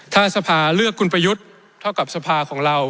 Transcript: ถ้าสภาเลือกคุณประยุทธ์เท่ากับสภาของเรา